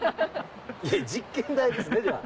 実験台ですねじゃあ。